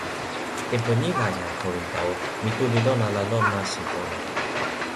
tenpo ni la, jan Kowinta o, mi tu li lon ala lon nasin pona.